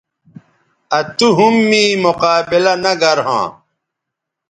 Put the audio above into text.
آ تو ھم می مقابلہ نہ گرھواں